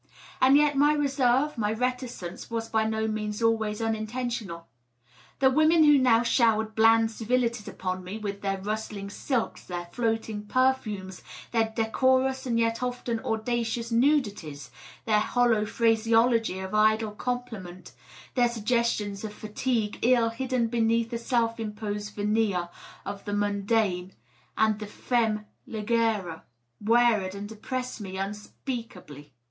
And yet my reserve, my reticence, was by no means always uninten tional. The women who now showered bland civilities upon me, with their rustling silks, their floating perfumes, their decorous and yet ofl; en audacious nudities, their hollow phraseology of idle compliment, their suggestions of fatigue ill hid beneath a self imposed veneer of the mcyn daine and the femme Ughe, wearied and depressed me unspeakably.